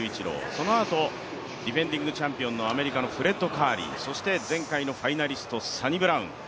そのあと、ディフェンディングチャンピオンのアメリカのフレッド・カーリー、そして前回のファイナリスト、サニブラウン。